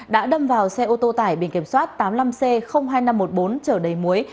đã đâm vào xe ô tô tải biển kiểm soát tám mươi năm c hai nghìn năm trăm một mươi bốn chở đầy muối